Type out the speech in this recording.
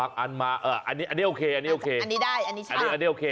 ก็ยังมีการจุดทบเสี้ยงทายแบบนี้ด้วยนะคะ